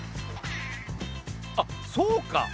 あっそうか！